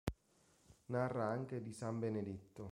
Narra anche di San Benedetto.